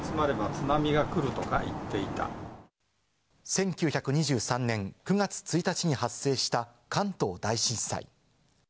１９２３年９月１日に発生した関東大震災。